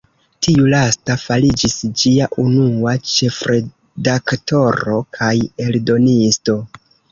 Tiu lasta fariĝis ĝia unua ĉefredaktoro kaj eldonisto.